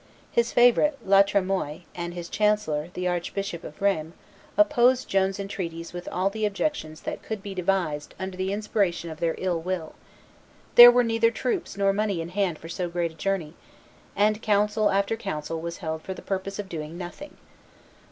His favorite, La Tremoille, and his chancellor, the Archbishop of Rheims, opposed Joan's entreaties with all the objections that could be devised under the inspiration of their ill will: there were neither troops nor money in hand for so great a journey; and council after council was held for the purpose of doing nothing.